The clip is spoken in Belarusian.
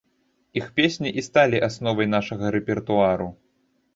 Іх песні і сталі асновай нашага рэпертуару.